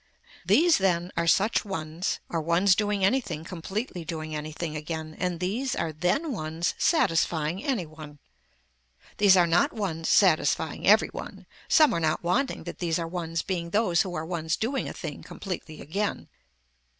These then are such ones are ones doing anything completely doing anything again and these are then ones satisfying any one. These are not ones satisfying every one, some are not wanting that these are ones being those who are ones doing a thing completely again.